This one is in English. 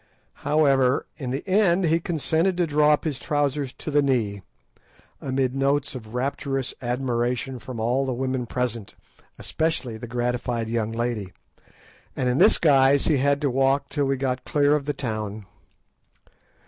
However, in the end he consented to draw up his trousers to the knee, amidst notes of rapturous admiration from all the women present, especially the gratified young lady, and in this guise he had to walk till we got clear of the town.